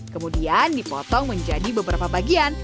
kemudian dipotong menjadi beberapa bagian